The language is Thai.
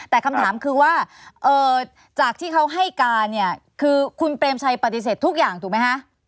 แต่คำถามคือว่าจากที่เขาให้การเนี่ยคือคุณเปรมชัยปฏิเสธทุกอย่างถูกไหมคะ